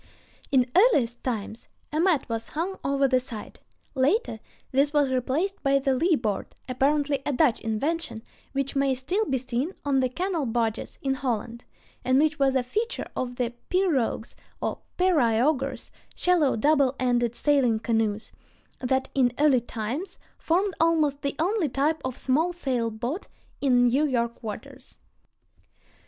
In earliest times, a mat was hung over the side. Later this was replaced by the leeboard, apparently a Dutch invention, which may still be seen on the canal barges in Holland, and which was a feature of the pirogues or periaugers (shallow double ended sailing canoes) that in early times formed almost the only type of small sail boat in New York waters.